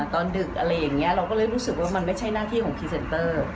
ดึกอะไรอย่างนี้เราก็เลยรู้สึกว่ามันไม่ใช่หน้าที่ของพรีเซนเตอร์